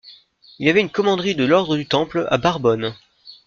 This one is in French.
Il y avait une commanderie de l’ordre du Temple à Barbonne.